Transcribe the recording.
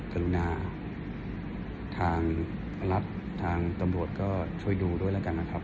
กรุณาทางรัฐทางตำรวจก็ช่วยดูด้วยแล้วกันนะครับ